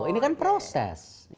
ini kan proses